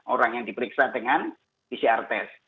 orang yang diperiksa dengan pcr test